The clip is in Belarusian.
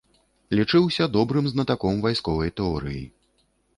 Лічыўся добрым знатаком вайсковай тэорыі.